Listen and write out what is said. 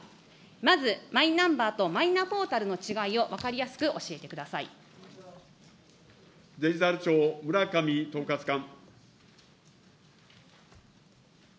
まず、マイナンバーとマイナポータルの違いを分かりやすく教えてデジタル庁、村上統括官。